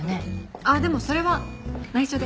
ああでもそれは内緒で。